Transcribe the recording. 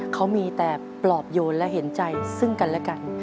เขามีแต่ปลอบโยนและเห็นใจซึ่งกันและกัน